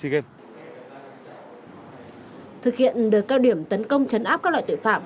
thực hiện đợt cao điểm tấn công chấn áp các loại tội phạm